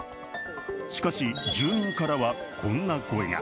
しかし、住民からはこんな声が